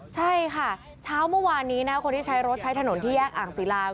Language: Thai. ใช่ค่ะเช้าเมื่อวานนี้นะคนที่ใช้รถใช้ถนนที่แยกอ่างศิลา